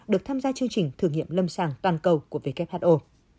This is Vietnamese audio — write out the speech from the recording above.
được tham gia chương trình thử nghiệm lâm sàng toàn cầu của who